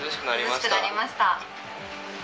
涼しくなりました。